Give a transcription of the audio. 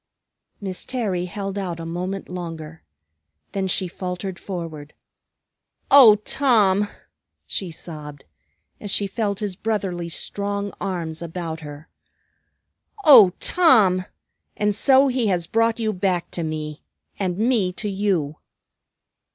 Miss Terry held out a moment longer. Then she faltered forward. "O Tom!" she sobbed, as she felt his brotherly, strong arms about her. "O Tom! And so he has brought you back to me, and me to you!"